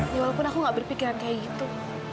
ya walaupun aku nggak berpikiran kayak gitu